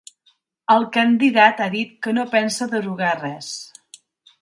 El candidat ha dit que no pensa derogar res.